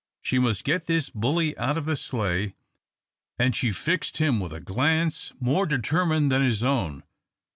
She must get this bully out of the sleigh, and she fixed him with a glance more determined than his own.